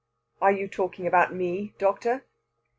"Are you talking about me, doctor?"